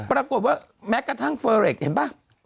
ปรากฏว่าแม้กระทั่งเฟอร์เรคเห็นป่ะ